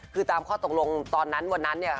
คือตามข้อตกลงตอนนั้นวันนั้นเนี่ย